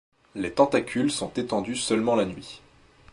Les tentacules sont étendus seulement la nuit.